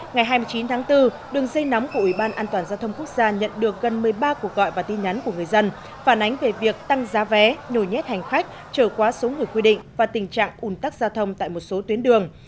ngày hai mươi chín tháng bốn đường dây nóng của ủy ban an toàn giao thông quốc gia nhận được gần một mươi ba cuộc gọi và tin nhắn của người dân phản ánh về việc tăng giá vé nhồi nhét hành khách trở quá số người quy định và tình trạng ủn tắc giao thông tại một số tuyến đường